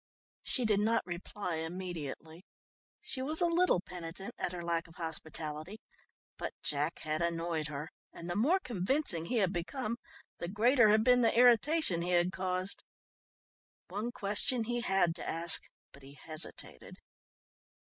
She did not reply immediately. She was a little penitent at her lack of hospitality, but Jack had annoyed her and the more convincing he had become, the greater had been the irritation he had caused. One question he had to ask but he hesitated.